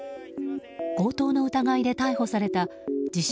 強盗の疑いで逮捕された自称